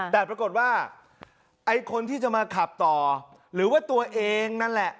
แต่ปรากฏว่าไอ้คนที่จะมาขับต่อหรือว่าตัวเองนั่นแหละ